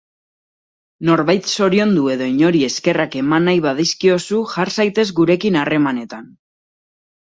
Norbait zoriondu edo inori eskerrak eman nahi badizkiozu, jar zaitez gurekin harremanetan.